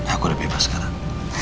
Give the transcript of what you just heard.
aku udah bebas sekarang